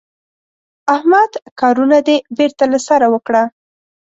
احمده کارونه دې بېرته له سره وکړه.